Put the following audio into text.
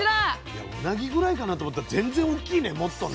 いやうなぎぐらいかなと思ったら全然大きいねもっとね。